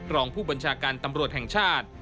รองผู้บัญชาการตำรวจแห่งชาติ